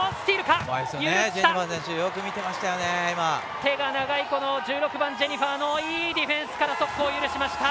手が長い１６番ジェニファーのいいディフェンスから速攻許しました。